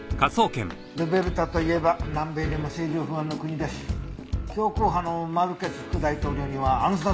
ルベルタといえば南米でも政情不安の国だし強硬派のマルケス副大統領には暗殺の噂も絶えないからね。